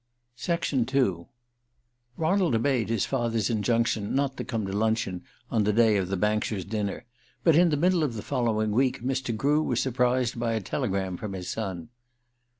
II RONALD obeyed his father's injunction not to come to luncheon on the day of the Bankshires' dinner; but in the middle of the following week Mr. Grew was surprised by a telegram from his son.